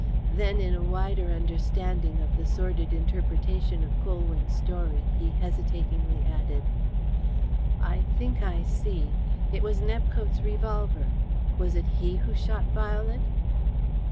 Then, in a wider understanding of the sordid interpretation of Colwyn's story, he hesitatingly added: "I think I see. It was Nepcote's revolver. Was it he who shot Violet?"